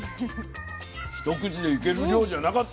一口でいける量じゃなかった！